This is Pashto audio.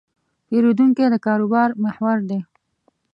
پیرودونکی د کاروبار محور دی.